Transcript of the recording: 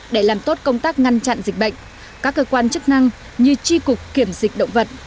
để làm tốt công tác ngăn chặn dịch bệnh các cơ quan chức năng như tri cục kiểm dịch động vật